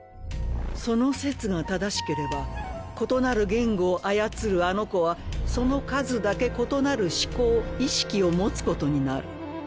その説が正しければ異なる言語を操るあの子はその数だけ異なる思考意識を持つことになる。